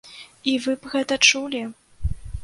І вы б гэта чулі!